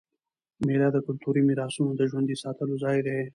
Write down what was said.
مېله د کلتوري میراثونو د ژوندي ساتلو ځای دئ.